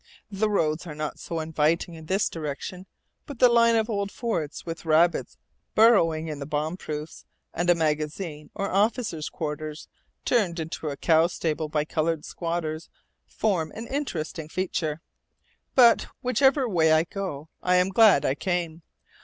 The roads are not so inviting in this direction, but the line of old forts with rabbits burrowing in the bomb proofs, and a magazine, or officers' quarters turned into a cow stable by colored squatters, form an interesting feature. But, whichever way I go, I am glad I came.